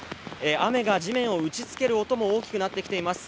雨が地面を打ち付ける音も大きくなってきています。